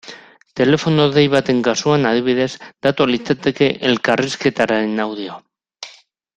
Telefono dei baten kasuan, adibidez, datua litzateke elkarrizketaren audioa.